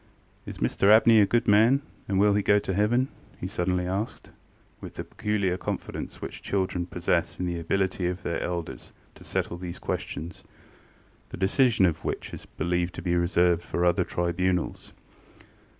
ŌĆ£Is Mr Abney a good man, and will he go to heaven? ŌĆØ he suddenly asked, with the peculiar confidence which children possess in the ability of their elders to settle these questions, the decision of which is believed to be reserved for other tribunals.